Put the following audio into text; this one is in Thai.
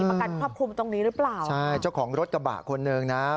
ประกันครอบคลุมตรงนี้หรือเปล่าใช่เจ้าของรถกระบะคนหนึ่งนะ